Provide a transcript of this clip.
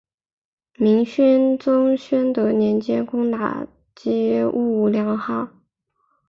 明宣宗宣德年间攻打击兀良哈。